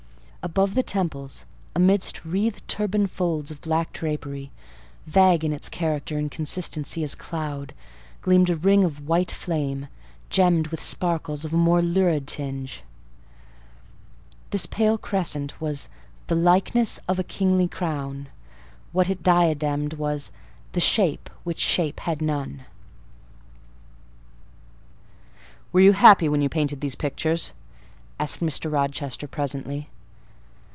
Above the temples, amidst wreathed turban folds of black drapery, vague in its character and consistency as cloud, gleamed a ring of white flame, gemmed with sparkles of a more lurid tinge. This pale crescent was "the likeness of a kingly crown;" what it diademed was "the shape which shape had none." "Were you happy when you painted these pictures?" asked Mr. Rochester presently.